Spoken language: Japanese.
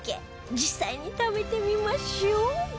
実際に食べてみましょう